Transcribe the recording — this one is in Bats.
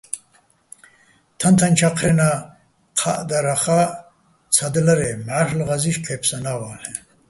თაჼ-თაჼ ჩაჴრენა́ ჴა́ჸდარახა́ ცადლარე́ მჵარლ' ღაზი́შ ჴე́ფსანა́ ვალ'ეჼ.